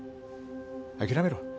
諦めろ。